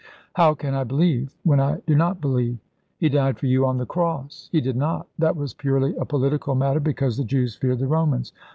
"How can I believe, when I do not believe?" "He died for you on the Cross." "He did not. That was purely a political matter because the Jews feared the Romans.